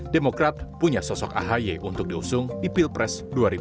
demokrat punya sosok ahy untuk diusung di pilpres dua ribu dua puluh